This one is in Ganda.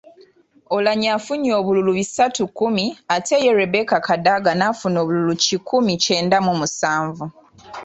Oulanyah afunye obululu bisatu kkumi ate ye Rebecca Kadaga n’afuna obululu kikumi kyenda mu musanvu.